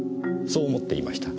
そう思っていました。